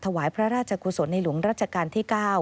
ถวายพระราชกุศลในหลวงรัชกาลที่๙